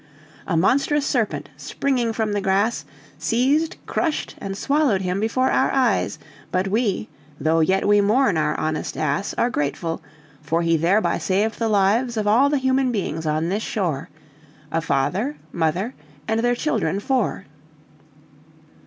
A monstrous serpent, springing from the grass, Seized, crushed, and swallowed him before our eyes But we, though yet we mourn our honest ass, Are grateful; for he thereby saved the lives Of all the human beings on this shore A father, mother, and their children four."